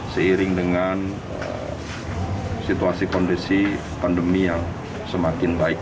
seiring dengan situasi kondisi pandemi yang semakin baik